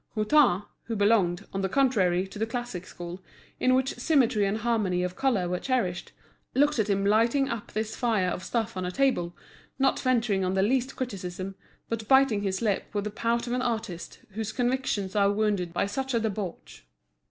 Hutin, who belonged, on the contrary, to the classic school, in which symmetry and harmony of colour were cherished, looked at him lighting up this fire of stuff on a table, not venturing on the least criticism, but biting his lip with the pout of an artist whose convictions are wounded by such a debauch.